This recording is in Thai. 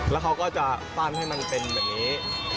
แล้วเขาก็จะปั้นให้มันเป็นแบบนี้